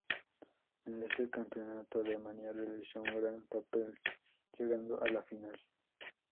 En este campeonato Alemania realizó un gran papel, llegando a la final.